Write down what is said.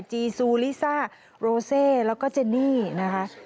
จีซูลิซ่าโรเซแล้วก็เจนี่นะคะ